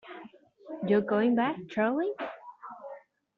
You're going back, Charley?